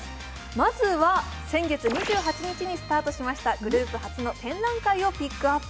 まずは先月２８日にスタートしましたグループ初の展覧会をピックアップ。